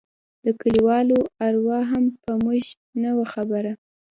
د كليوالو اروا هم په موږ نه وه خبره.